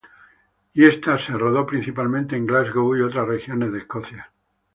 Y esta se rodó principalmente en Glasgow y otras regiones en Escocia.